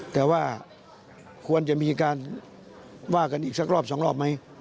แต่ว่าควรจะมีการว่ากันอีกสักรอบสองรอบไหม